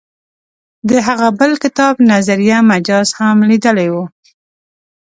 د هغه بل کتاب نظریه مجاز هم لیدلی و.